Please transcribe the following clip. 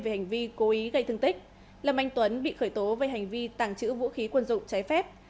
về hành vi cố ý gây thương tích lâm anh tuấn bị khởi tố về hành vi tàng trữ vũ khí quân dụng trái phép